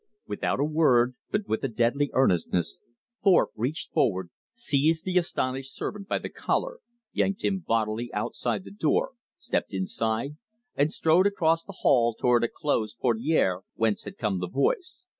Without a word, but with a deadly earnestness, Thorpe reached forward, seized the astonished servant by the collar, yanked him bodily outside the door, stepped inside, and strode across the hall toward a closed portiere whence had come the voice.